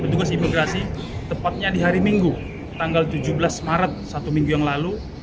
petugas imigrasi tepatnya di hari minggu tanggal tujuh belas maret satu minggu yang lalu